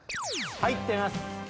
入ってます？